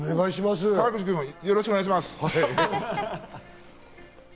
川口くん、よろしくお願いします。